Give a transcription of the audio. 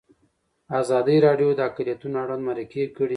ازادي راډیو د اقلیتونه اړوند مرکې کړي.